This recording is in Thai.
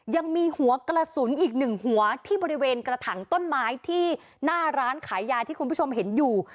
ยังมีหัวกระสุนอีกหนึ่งหัวที่บริเวณกระถังต้นไม้ที่หน้าร้านขายยาที่คุณผู้ชมเห็นอยู่